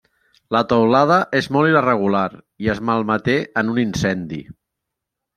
La teulada és molt irregular i es malmeté en un incendi.